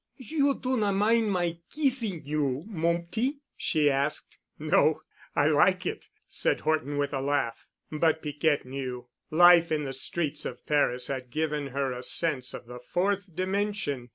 "You do not mind my keesing you, mon petit?" she asked. "No. I like it," said Horton with a laugh. But Piquette knew. Life in the streets of Paris had given her a sense of the fourth dimension.